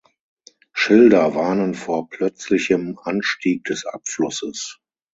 Schilder warnen vor plötzlichem Anstieg des Abflusses.